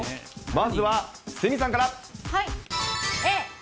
まずは鷲見さんから。